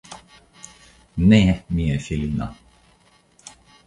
Ne, mia filino!